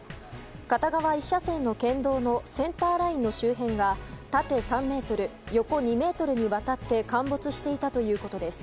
片側１車線の県道のセンターラインの周辺が縦３ｍ、横２ｍにわたって陥没していたということです。